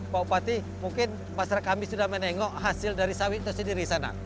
pak bupati mungkin masyarakat kami sudah menengok hasil dari sawit itu sendiri sana